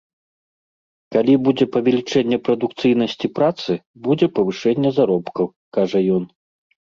Калі будзе павелічэнне прадукцыйнасці працы, будзе павышэнне заробкаў, кажа ён.